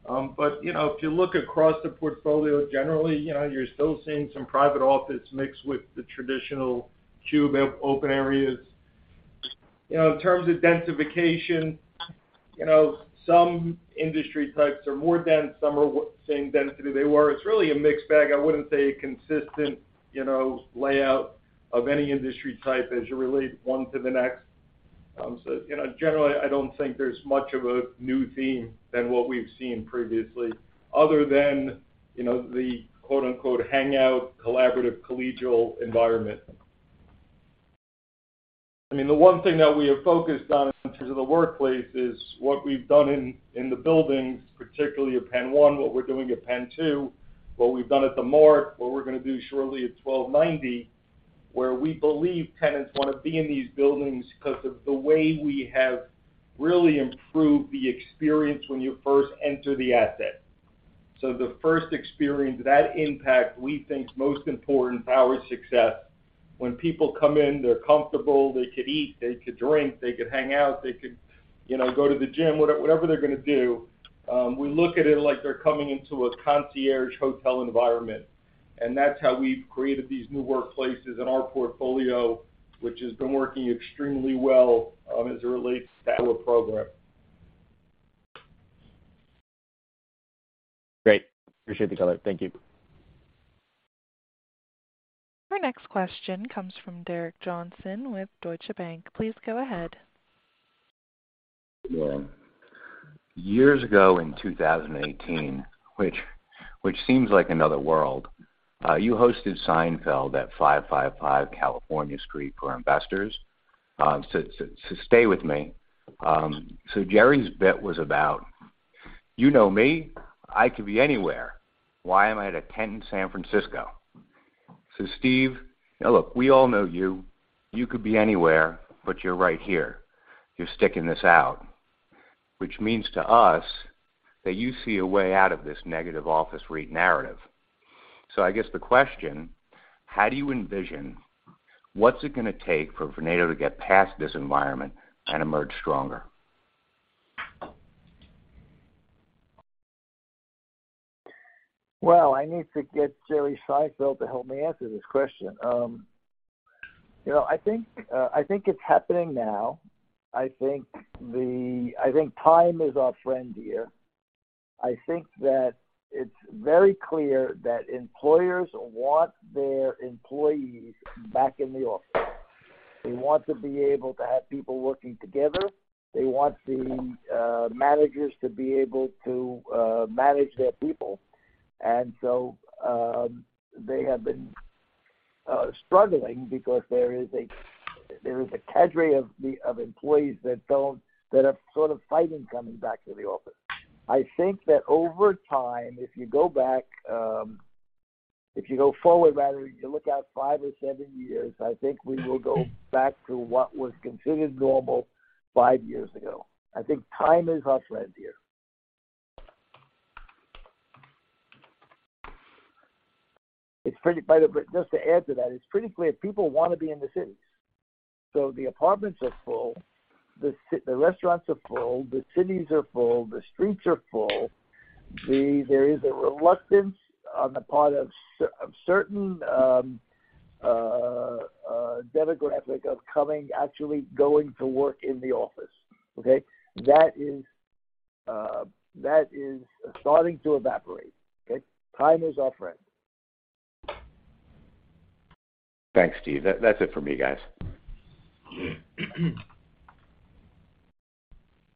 You know, if you look across the portfolio generally, you know, you're still seeing some private office mixed with the traditional cube open areas. You know, in terms of densification, you know, some industry types are more dense, some are same density they were. It's really a mixed bag. I wouldn't say a consistent, you know, layout of any industry type as you relate one to the next. You know, generally, I don't think there's much of a new theme than what we've seen previously other than, you know, the quote-unquote, hangout, collaborative, collegial environment. I mean, the one thing that we have focused on in terms of the workplace is what we've done in the buildings, particularly at PENN 1, what we're doing at PENN 2, what we've done at The Mark, what we're gonna do shortly at 1290, where we believe tenants wanna be in these buildings because of the way we have really improved the experience when you first enter the asset. The first experience, that impact we think is most important to our success. When people come in, they're comfortable, they could eat, they could drink, they could hang out, they could, you know, go to the gym, whatever they're gonna do. We look at it like they're coming into a concierge hotel environment, that's how we've created these new workplaces in our portfolio, which has been working extremely well, as it relates to our program. Great. Appreciate the color. Thank you. Our next question comes from Derek Johnston with Deutsche Bank. Please go ahead. Yeah. Years ago in 2018, which seems like another world, you hosted Seinfeld at 555 California Street for investors. Stay with me. Jerry's bit was about, "You know me. I could be anywhere. Why am I at a tent in San Francisco?" Steve, now look, we all know you. You could be anywhere, but you're right here. You're sticking this out, which means to us that you see a way out of this negative office REIT narrative. I guess the question: How do you envision what's it gonna take for Vornado to get past this environment and emerge stronger? I need to get Jerry Seinfeld to help me answer this question. You know, I think it's happening now. I think time is our friend here. I think that it's very clear that employers want their employees back in the office. They want to be able to have people working together. They want the managers to be able to manage their people. They have been struggling because there is a cadre of employees that are sort of fighting coming back to the office. I think that over time, if you go back, if you go forward rather, you look out five or seven years, I think we will go back to what was considered normal five years ago. I think time is our friend here. It's pretty... By the way, just to add to that, it's pretty clear people wanna be in the cities. The apartments are full, the restaurants are full, the cities are full, the streets are full. There is a reluctance on the part of certain demographic of coming, actually going to work in the office. Okay? That is starting to evaporate. Okay? Time is our friend. Thanks, Steve. That's it for me, guys.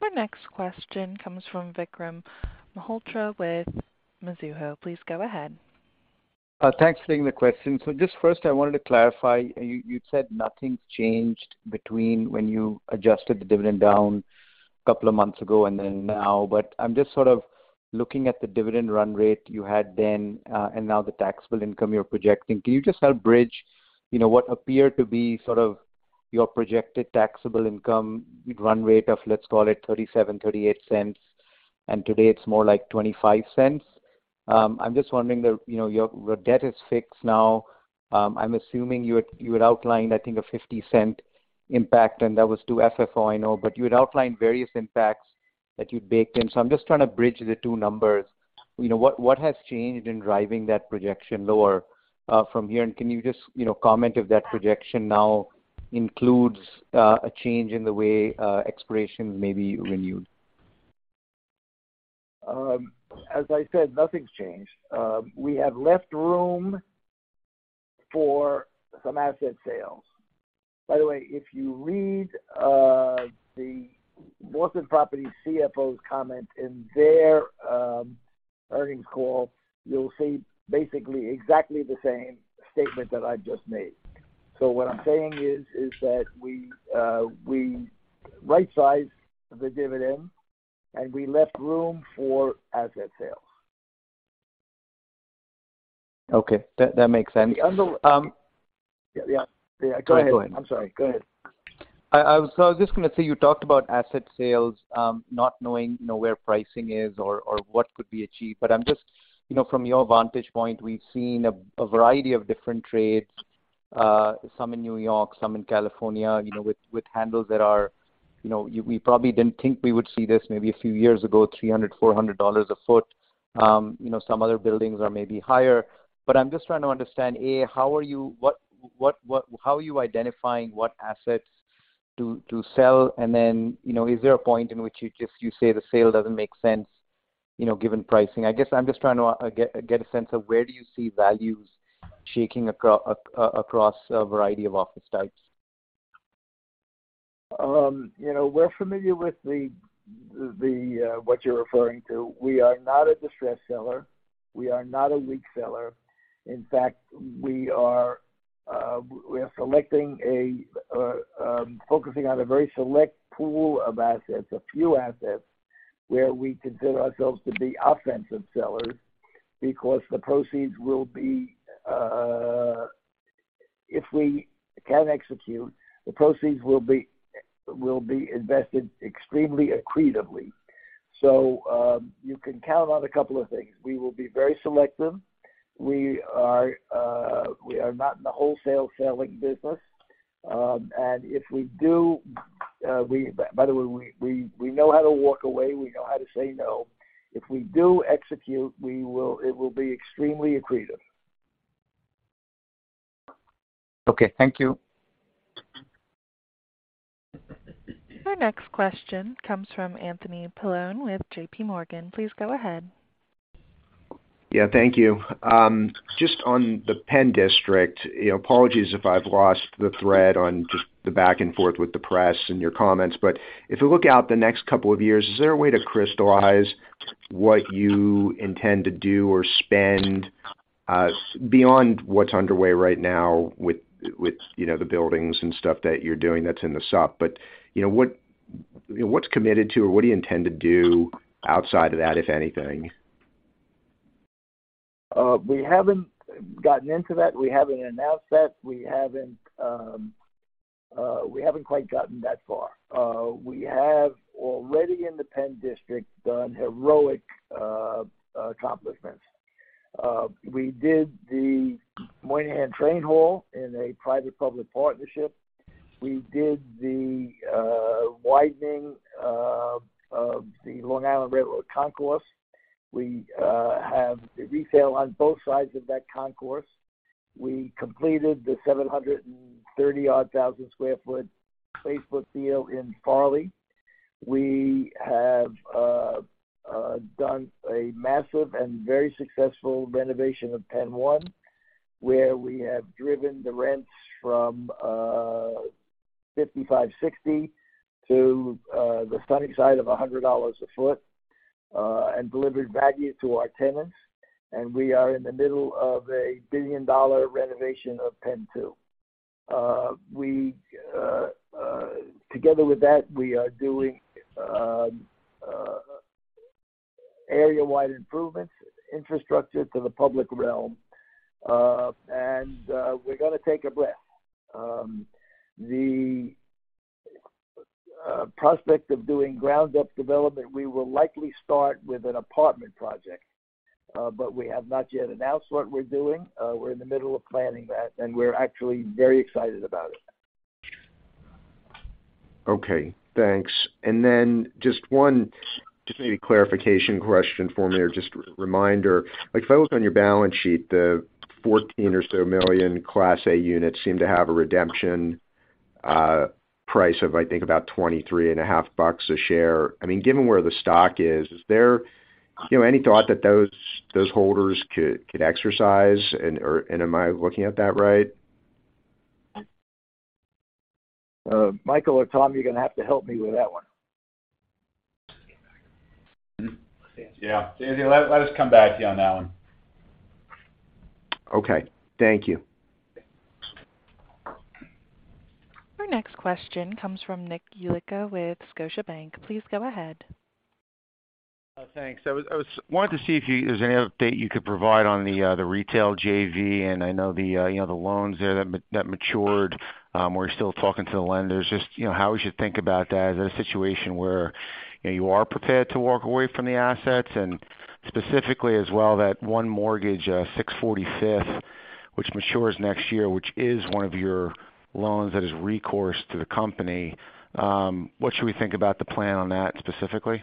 Our next question comes from Vikram Malhotra with Mizuho. Please go ahead. Thanks for taking the question. Just first, I wanted to clarify. You said nothing's changed between when you adjusted the dividend down a couple of months ago and then now. I'm just sort of looking at the dividend run rate you had then, and now the taxable income you're projecting. Can you just help bridge, you know, what appeared to be sort of your projected taxable income run rate of, let's call it $0.37-$0.38, and today it's more like $0.25? I'm just wondering. You know, your debt is fixed now. I'm assuming you had outlined, I think, a $0.50 impact, and that was to FFO, I know. You had outlined various impacts that you'd baked in. I'm just trying to bridge the two numbers. You know, what has changed in driving that projection lower from here? Can you just, you know, comment if that projection now includes a change in the way expirations may be renewed? As I said, nothing's changed. We have left room for some asset sales. If you read, the Boston Properties CFO's comment in their earnings call, you'll see basically exactly the same statement that I just made. What I'm saying is that we right-sized the dividend, and we left room for asset sales. Okay. That, that makes sense. Yeah. Yeah. Go ahead. Go ahead. I'm sorry. Go ahead. I was just gonna say, you talked about asset sales, not knowing, you know, where pricing is or what could be achieved. I'm just, you know, from your vantage point, we've seen a variety of different trades. Some in New York, some in California, you know, with handles that are... You know, we probably didn't think we would see this maybe a few years ago, $300, $400 a foot. You know, some other buildings are maybe higher. I'm just trying to understand, A, how are you identifying what assets to sell? Then, you know, is there a point in which you just, you say the sale doesn't make sense, you know, given pricing? I guess I'm just trying to get a sense of where do you see values shaking across a variety of office types. You know, we're familiar with what you're referring to. We are not a distressed seller. We are not a weak seller. In fact, we are focusing on a very select pool of assets, a few assets where we consider ourselves to be offensive sellers because the proceeds will be, if we can execute, invested extremely accretively. You can count on a couple of things. We will be very selective. We are not in the wholesale selling business. If we do, by the way, we know how to walk away, we know how to say no. If we do execute, it will be extremely accretive. Okay. Thank you. Our next question comes from Anthony Paolone with JPMorgan. Please go ahead. Yeah, thank you. Just on the PENN DISTRICT, you know, apologies if I've lost the thread on just the back and forth with the press and your comments. If we look out the next couple of years, is there a way to crystallize what you intend to do or spend, beyond what's underway right now with, you know, the buildings and stuff that you're doing that's in the sup? You know, what, you know, what's committed to, or what do you intend to do outside of that, if anything? We haven't gotten into that. We haven't announced that. We haven't quite gotten that far. We have already in the PENN DISTRICT done heroic accomplishments. We did the Moynihan Train Hall in a private-public partnership. We did the widening of the Long Island Railroad Concourse. We have retail on both sides of that concourse. We completed the 730,000 sq ft Facebook deal in Farley. We have done a massive and very successful renovation of PENN 1, where we have driven the rents from $55-$60 to the sunny side of $100 a foot and delivered value to our tenants. We are in the middle of a billion-dollar renovation of PENN 2. We, together with that, we are doing area-wide improvements, infrastructure to the public realm, we're gonna take a breath. The prospect of doing ground-up development, we will likely start with an apartment project. We have not yet announced what we're doing. We're in the middle of planning that, we're actually very excited about it. Okay, thanks. Just one, just maybe clarification question for me, or just re-reminder. Like, if I look on your balance sheet, the 14 or so million Class A units seem to have a redemption price of, I think, about $23 and a half a share. Given where the stock is there, you know, any thought that those holders could exercise and/or am I looking at that right? Michael or Tom, you're gonna have to help me with that one. Yeah. Anthony, let us come back to you on that one. Okay. Thank you. Our next question comes from Nick Yulico with Scotiabank. Please go ahead. Thanks. I wanted to see if there's any update you could provide on the retail JV. I know, you know, the loans there that matured, or you're still talking to the lenders. You know, how we should think about that. Is that a situation where, you know, you are prepared to walk away from the assets? Specifically as well, that one mortgage, 645 Fifth Avenue, which matures next year, which is one of your loans that is recourse to the company, what should we think about the plan on that specifically?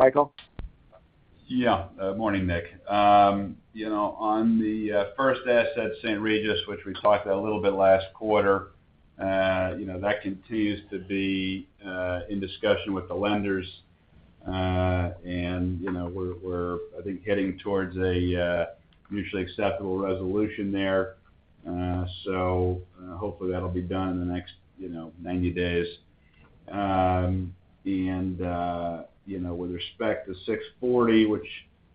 Michael? Yeah. Morning, Nick. You know, on the first asset, St. Regis, which we talked a little bit last quarter, you know, that continues to be in discussion with the lenders. You know, we're, I think, getting towards a mutually acceptable resolution there. Hopefully that'll be done in the next, you know, 90 days. You know, with respect to 640, which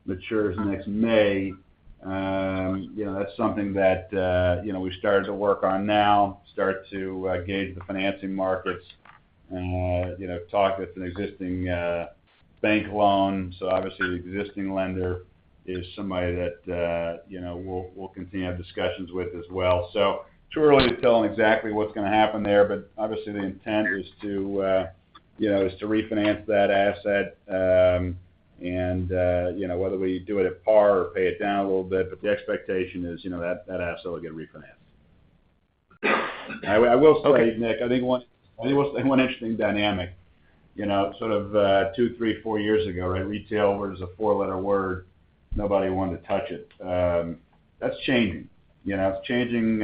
matures next May, you know, that's something that, you know, we've started to work on now, start to gauge the financing markets, you know, talk with an existing bank loan. Obviously the existing lender is somebody that, you know, we'll continue to have discussions with as well. Too early to tell exactly what's gonna happen there, but obviously the intent is to, you know, refinance that asset. You know, whether we do it at par or pay it down a little bit, but the expectation is, you know, that asset will get refinanced. I will say, Nick, I think one interesting dynamic, you know, sort of, two, three, four years ago, right, retail was a four-letter word. Nobody wanted to touch it. That's changing. You know, it's changing.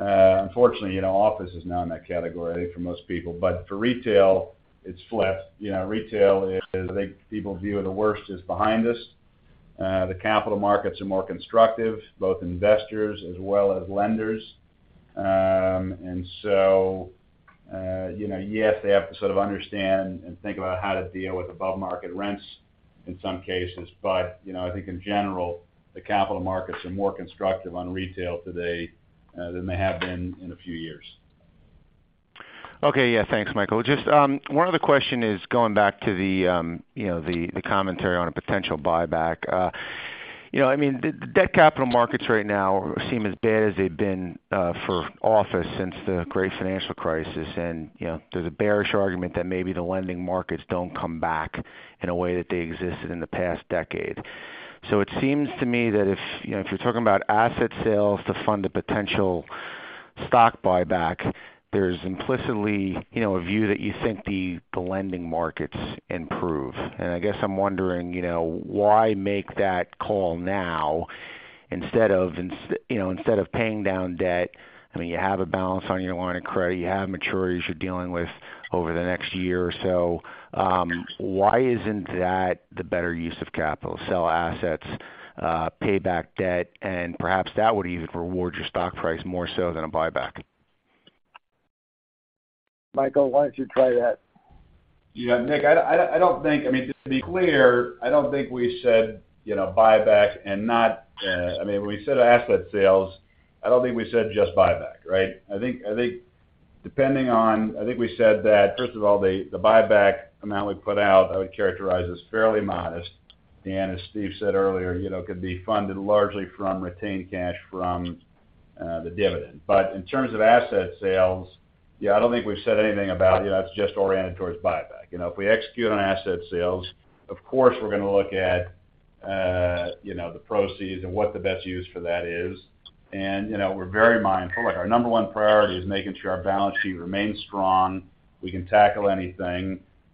Unfortunately, you know, office is now in that category for most people. For retail, it's flipped. You know, retail is, I think, people view it the worst is behind us. The capital markets are more constructive, both investors as well as lenders. You know, yes, they have to sort of understand and think about how to deal with above-market rents in some cases. You know, I think in general, the capital markets are more constructive on retail today, than they have been in a few years. Okay. Yeah. Thanks, Michael. Just one other question is going back to the, you know, the commentary on a potential buyback. You know, I mean, the debt capital markets right now seem as bad as they've been for office since the great financial crisis. There's a bearish argument that maybe the lending markets don't come back in a way that they existed in the past decade. It seems to me that if, you know, if you're talking about asset sales to fund a potential stock buyback, there's implicitly, you know, a view that you think the lending markets improve. I guess I'm wondering, you know, why make that call now instead of you know, instead of paying down debt, I mean, you have a balance on your line of credit, you have maturities you're dealing with over the next year or so, why isn't that the better use of capital? Sell assets, pay back debt, and perhaps that would even reward your stock price more so than a buyback. Michael, why don't you try that? Yeah. Nick, I don't think, I mean, just to be clear, I don't think we said, you know, buyback and not. I mean, when we said asset sales, I don't think we said just buyback, right? I think depending on, I think we said that, first of all, the buyback amount we put out, I would characterize as fairly modest. As Steve said earlier, you know, could be funded largely from retained cash from the dividend. In terms of asset sales, yeah, I don't think we've said anything about, you know, that's just oriented towards buyback. You know, if we execute on asset sales, of course we're gonna look at, you know, the proceeds and what the best use for that is. You know, we're very mindful. Like, our number one priority is making sure our balance sheet remains strong, we can tackle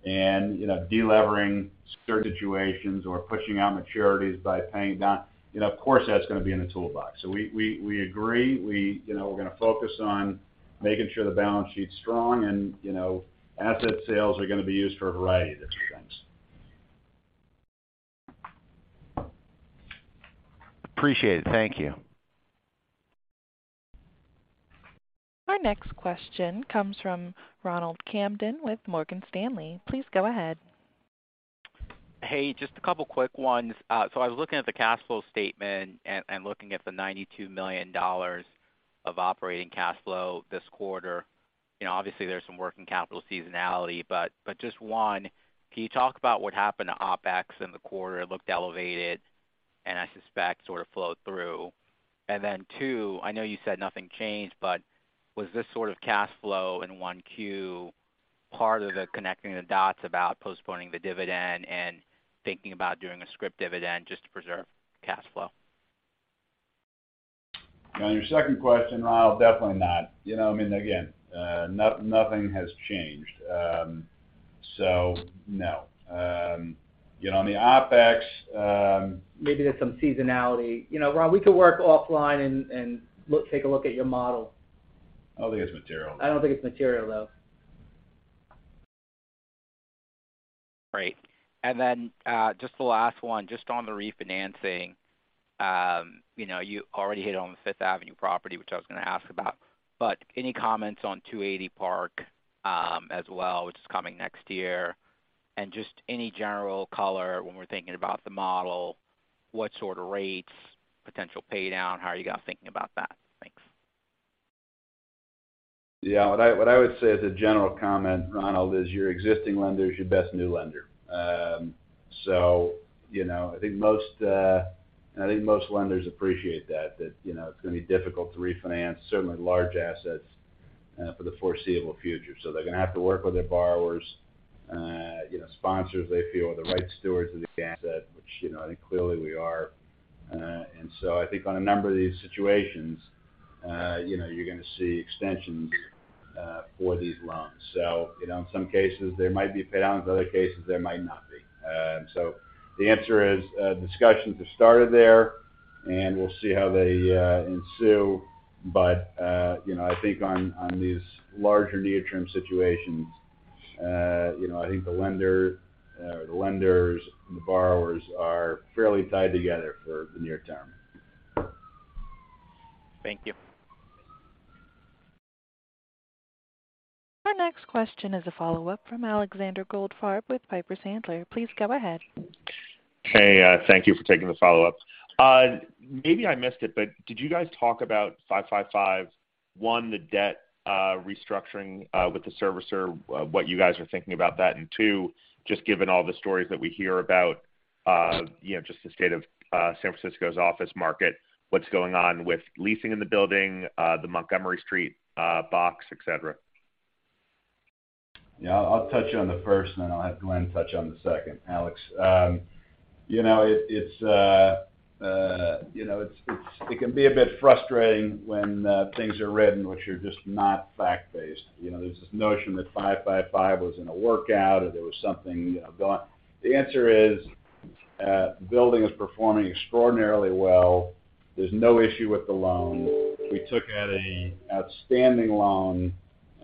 anything. You know, de-levering certain situations or pushing out maturities by paying down, you know, of course, that's gonna be in the toolbox. We agree. We, you know, we're gonna focus on making sure the balance sheet's strong and, you know, asset sales are gonna be used for a variety of different things. Appreciate it. Thank you. Our next question comes from Ronald Kamdem with Morgan Stanley. Please go ahead. Hey, just a couple quick ones. I was looking at the cash flow statement and looking at the $92 million of operating cash flow this quarter. You know, obviously, there's some working capital seasonality, but just one, can you talk about what happened to OpEx in the quarter? It looked elevated, and I suspect sort of flowed through. Then two, I know you said nothing changed, but was this sort of cash flow in 1Q, part of the connecting the dots about postponing the dividend and thinking about doing a scrip dividend just to preserve cash flow? On your second question, Ronald, definitely not. You know, I mean, again, nothing has changed. No. You know, on the OpEx, Maybe there's some seasonality. You know, Ron, we could work offline and take a look at your model. I don't think it's material. I don't think it's material, though. Great. Just the last one, just on the refinancing, you know, you already hit on the Fifth Avenue property, which I was gonna ask about, but any comments on 280 Park Avenue, as well, which is coming next year? Just any general color when we're thinking about the model, what sort of rates, potential pay down, how are you guys thinking about that? Thanks. Yeah. What I would say as a general comment, Ronald, is your existing lender is your best new lender. You know, I think most lenders appreciate that, you know, it's gonna be difficult to refinance certainly large assets for the foreseeable future. They're gonna have to work with their borrowers, you know, sponsors they feel are the right stewards of the asset, which, you know, I think clearly we are. I think on a number of these situations, you know, you're gonna see extensions for these loans. You know, in some cases there might be pay downs, in other cases there might not be. The answer is, discussions have started there, and we'll see how they ensue. You know, I think on these larger near-term situations, you know, I think the lender, the lenders and the borrowers are fairly tied together for the near term. Thank you. Our next question is a follow-up from Alexander Goldfarb with Piper Sandler. Please go ahead. Hey, thank you for taking the follow-up. Maybe I missed it, but did you guys talk about 555, 1, the debt restructuring with the servicer, what you guys are thinking about that? Two, just given all the stories that we hear about, you know, just the state of San Francisco's office market, what's going on with leasing in the building, the Montgomery Street box, et cetera? Yeah, I'll touch on the first, and then I'll have Glen touch on the second, Alex. Um, you know, it, it's, uh, uh, you know, it's, it's-- it can be a bit frustrating when, uh, things are written which are just not fact-based. You know, there's this notion that five five five was in a workout or there was something, you know, going... The answer is, uh, the building is performing extraordinarily well. There's no issue with the loan. We took out an outstanding loan,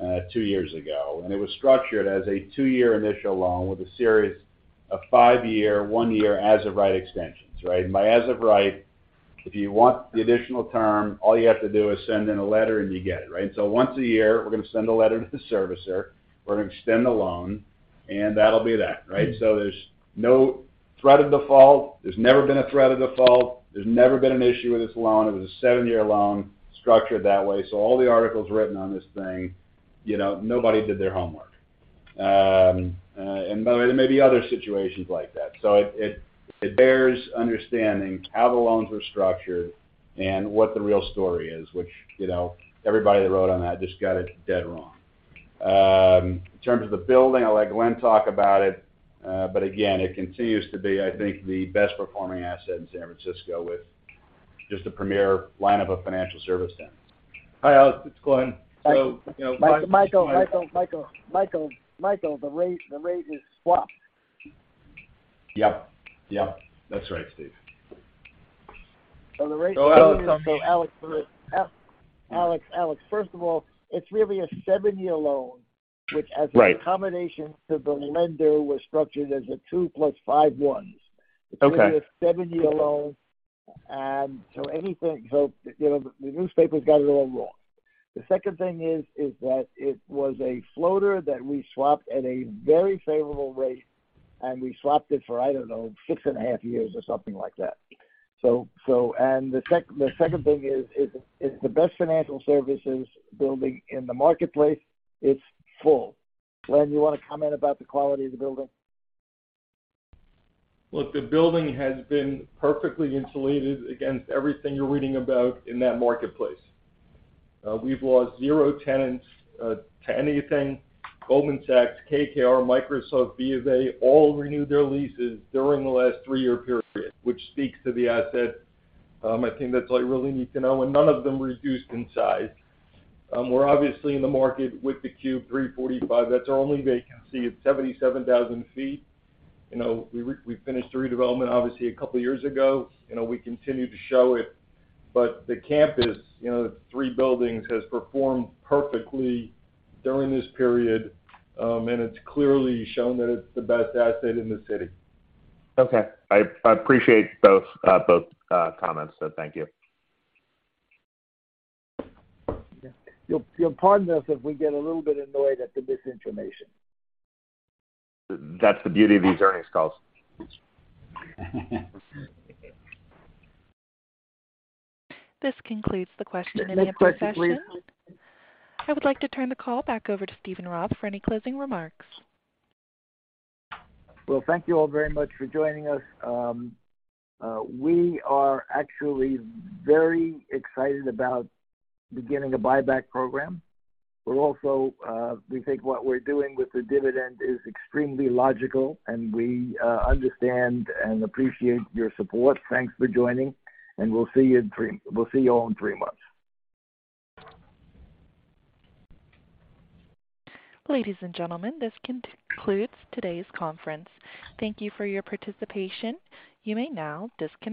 uh, two years ago, and it was structured as a two-year initial loan with a series of five-year, one-year as of right extensions, right? And by as of right, if you want the additional term, all you have to do is send in a letter and you get it, right? So once a year, we're gonna send a letter to the servicer. We're gonna extend the loan, and that'll be that, right? There's no threat of default. There's never been a threat of default. There's never been an issue with this loan. It was a seven-year loan structured that way. All the articles written on this thing, you know, nobody did their homework. By the way, there may be other situations like that. It bears understanding how the loans were structured and what the real story is, which, you know, everybody that wrote on that just got it dead wrong. In terms of the building, I'll let Glen talk about it. Again, it continues to be, I think, the best performing asset in San Francisco with just a premier lineup of financial service centers. Hi, Alex, it's Glen. you know. Michael, the rate is swapped. Yep. That's right, Steve. So the rate- Go ahead. Alex, first of all, it's really a seven-year loan, which. Right. A combination to the lender was structured as a 2+ 5 1s. Okay. It's really a seven-year loan. You know, the newspapers got it all wrong. The second thing is that it was a floater that we swapped at a very favorable rate, and we swapped it for, I don't know, 6.5 years or something like that. The second thing is it's the best financial services building in the marketplace. It's full. Glen, you wanna comment about the quality of the building? Look, the building has been perfectly insulated against everything you're reading about in that marketplace. We've lost 0 tenants to anything. Goldman Sachs, KKR, Microsoft, B of A, all renewed their leases during the last 3-year period, which speaks to the asset. I think that's all you really need to know, and none of them reduced in size. We're obviously in the market with the Cube 345. That's our only vacancy. It's 77,000 feet. You know, we finished the redevelopment obviously a couple of years ago. You know, we continue to show it, but the campus, you know, the three buildings has performed perfectly during this period, and it's clearly shown that it's the best asset in the city. Okay. I appreciate both comments, so thank you. You'll pardon us if we get a little bit annoyed at the misinformation. That's the beauty of these earnings calls. This concludes the question and answer session. Any questions, please. I would like to turn the call back over to Steven Roth for any closing remarks. Well, thank you all very much for joining us. We are actually very excited about beginning a buyback program. Also, we think what we're doing with the dividend is extremely logical. We understand and appreciate your support. Thanks for joining. We'll see you all in three months. Ladies and gentlemen, this concludes today's conference. Thank you for your participation. You may now disconnect.